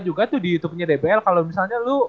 lu juga tuh di youtube dbl kalo misalnya lu